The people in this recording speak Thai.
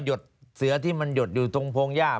ดเสือที่มันหยดอยู่ตรงโพงหญ้า